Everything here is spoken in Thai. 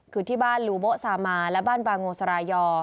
คือที่บ้านลูโบซามาและบ้านบางโงสรายอ